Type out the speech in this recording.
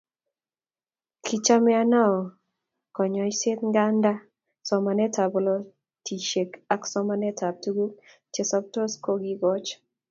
Kichomei Anao konyoiset nganda somanetab polatosiek ak somanetab tuguk che soptos kokiikoch